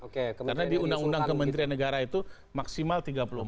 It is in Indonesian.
karena di undang undang kementerian negara itu maksimal tiga puluh empat